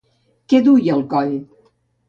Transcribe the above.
Què duia al coll?